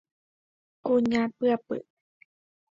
Kuña pyapy